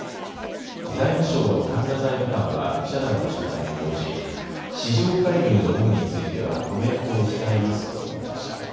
財務省の神田財務官は記者団の取材に応じ市場介入の有無についてはコメントを控えますと述べました。